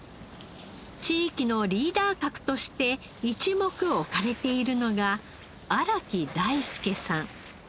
地域のリーダー格として一目置かれているのが荒木大輔さん。